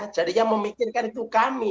jadi yang memikirkan itu kami